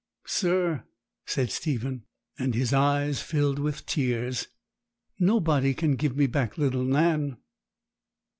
'Sir,' said Stephen, and his eyes filled with tears, 'nobody can give me back little Nan.'